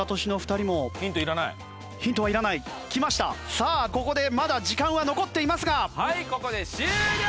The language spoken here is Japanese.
さあここでまだ時間は残っていますが。